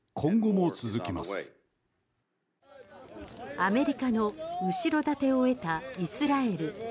アメリカの後ろ盾を得たイスラエル。